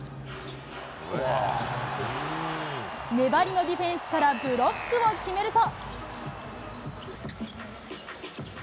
粘りのディフェンスからブロックを決めると。